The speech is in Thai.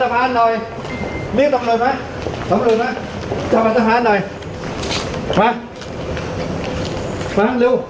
มาจับอัตภาพหน่อยเรียกตำรวจมาตำรวจมาจับอัตภาพหน่อยมา